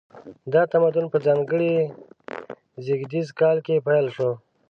دا تمدن په ځانګړي زیږدیز کال کې پیل شو.